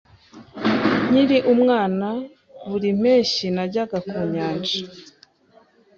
Nkiri umwana, buri mpeshyi najyaga ku nyanja.